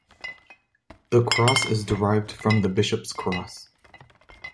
The cross is derived from the Bishop's cross.